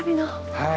はい。